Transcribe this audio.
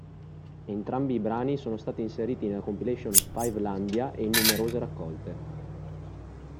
Entrambi i brani sono stati inseriti nella compilation "Fivelandia" e in numerose raccolte.